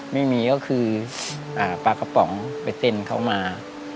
ไม่มีก็คือปลากระป๋องไปเต้นเขามา